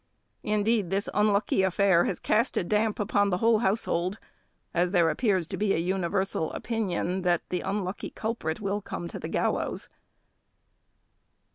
Indeed this unlucky affair has cast a damp upon the whole household, as there appears to be an universal opinion that the unlucky culprit will come to the gallows.